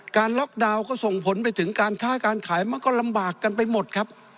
ล็อกดาวน์ก็ส่งผลไปถึงการค้าการขายมันก็ลำบากกันไปหมดครับ